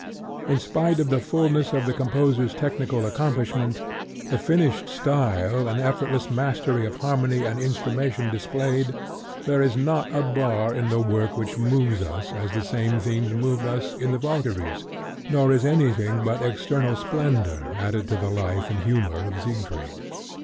In spite of the fulness of the composer's technical accomplishment, the finished style and effortless mastery of harmony and instrumentation displayed, there is not a bar in the work which moves us as the same themes moved us in The Valkyries, nor is anything but external splendor added to the life and humor of Siegfried.